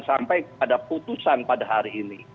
sampai ada putusan pada hari ini